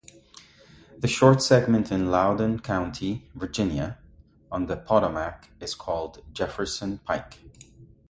The short segment in Loudoun County, Virginia on the Potomac is called Jefferson Pike.